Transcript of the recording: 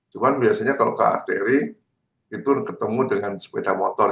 cuman biasanya kalau ke arteri itu ketemu dengan sepeda motor